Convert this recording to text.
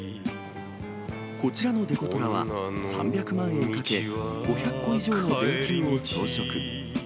こちらのデコトラは、３００万円かけ、５００個以上の電球を装飾。